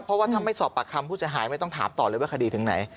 เพราะว่าถ้าไม่สอบปากคำผู้เสียหายไม่ต้องถามต่อเลยว่าคดีถึงไหน